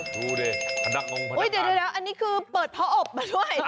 ดูดิพนักลงพนมเดี๋ยวอันนี้คือเปิดพออบมาด้วย